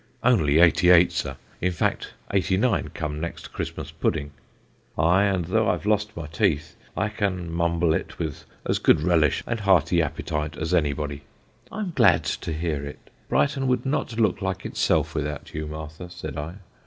'Only eighty eight, sir; in fact, eighty nine come next Christmas pudding; aye, and though I've lost my teeth I can mumble it with as good relish and hearty appetite as anybody.' 'I'm glad to hear it; Brighton would not look like itself without you, Martha,' said I.